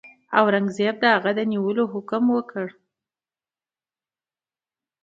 اورنګزېب د هغه د نیولو حکم وکړ.